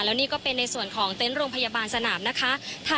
แล้วนี่ก็เป็นในส่วนของเต็นต์โรงพยาบาลสนามนะคะ